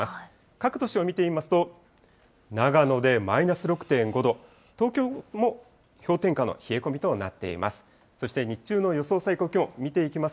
各都市を見てみますと、長野でマイナス６．５度、東京も氷点下の冷え込みとなっています。